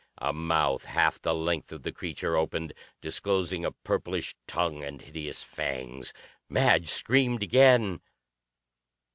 A mouth half the length of the creature opened, disclosing a purplish tongue and hideous fangs. Madge screamed again.